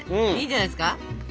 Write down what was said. いいんじゃないですか？